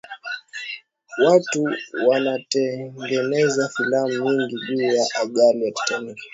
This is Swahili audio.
watu wanatengeneza filamu nyingi juu ya ajali ya titanic